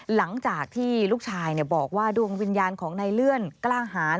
หลังจากที่ลูกชายบอกว่าดวงวิญญาณของนายเลื่อนกล้าหาร